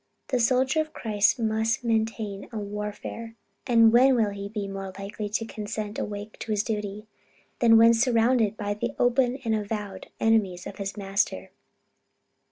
The soldier of Christ must maintain a warfare; and when will he be more likely to be constantly awake to his duty, than when surrounded by the open and avowed enemies of his Master?